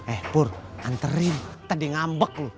eh pur anterin tadi ngambek tuh